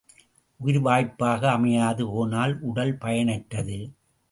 உயிர் வாய்ப்பாக அமையாது போனால் உடல் பயனற்றது.